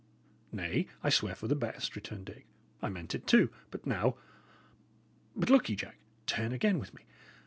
"Nay, I sware for the best," returned Dick. "I meant it too; but now! But look ye, Jack, turn again with me.